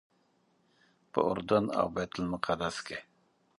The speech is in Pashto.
په اردن او بیت المقدس کې.